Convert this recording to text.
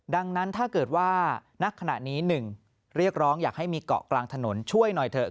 ดังนั้นถ้าเกิดว่านักขณะนี้๑เรียกร้องอยากให้มีเกาะกลางถนนช่วยหน่อยเถอะ